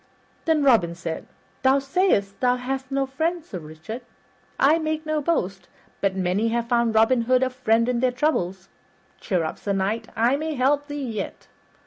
Then Robin said, "Thou sayst thou hast no friends, Sir Richard. I make no boast, but many have found Robin Hood a friend in their troubles. Cheer up, Sir Knight, I may help thee yet."